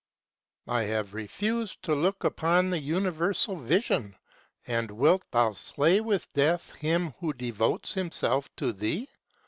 I have refused to look upon the universal vision. 260 And wilt thou slay with death him who devotes him self to thee